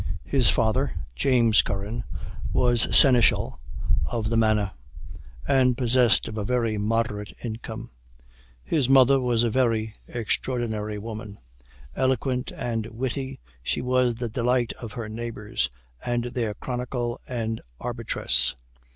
His father, James Curran, was seneschal of the manor, and possessed of a very moderate income. His mother was a very extraordinary woman. Eloquent and witty, she was the delight of her neighbors, and their chronicle and arbitress.